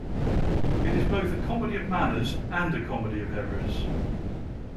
It is both a comedy of manners and a comedy of errors.